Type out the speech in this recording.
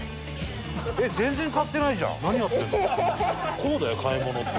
こうだよ買い物って。